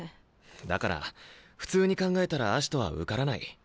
だから普通に考えたら葦人は受からない。